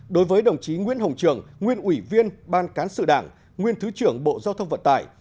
đối với đồng chí nguyễn hồng trường nguyên ủy viên ban cán sự đảng nguyên thứ trưởng bộ giao thông vận tải